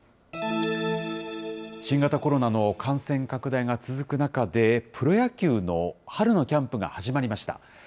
新型コロナの感染拡大が続く中で、プロ野球の春のキャンプが始まりました。